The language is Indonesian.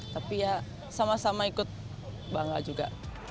tapi ya sama sama ikut bangga juga